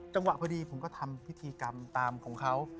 จังหวะพอดีผมก็ทำพิธีกรรมตามของเขา